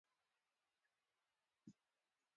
زموږ ښوونځی ښه دی